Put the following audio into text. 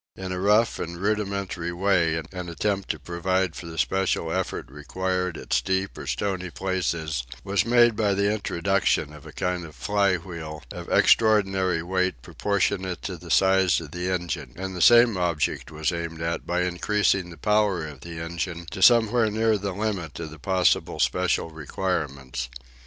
In a rough and rudimentary way an attempt to provide for the special effort required at steep or stony places was made by the introduction of a kind of fly wheel of extraordinary weight proportionate to the size of the engine; and the same object was aimed at by increasing the power of the engine to somewhere near the limit of the possible special requirements.